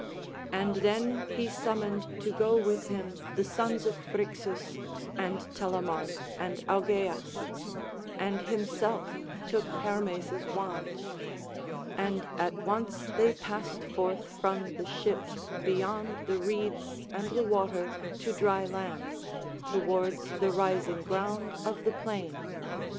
And then he summoned to go with him the sons of Phrixus, and Telamon and Augeias; and himself took Hermes' wand; and at once they passed forth from the ship beyond the reeds and the water to dry land, towards the rising ground of the plain.